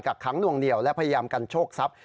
กค้างนวงเหนียวและพยายามกันโชคทรัพย์